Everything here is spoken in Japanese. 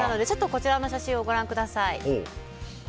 こちらの写真をご覧ください。